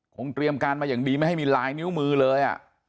เตรียมการมาอย่างดีไม่ให้มีลายนิ้วมือเลย